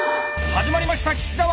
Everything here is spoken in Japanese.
始まりました岸澤。